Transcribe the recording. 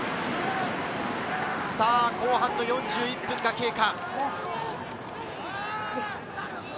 後半の４１分が経過。